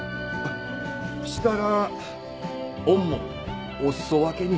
したらおんもお裾分けに。